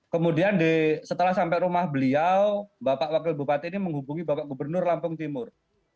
kemudian setelah sampai rumah beliau bapak wakil bupati ini menghubungi bapak gubernur lampung timur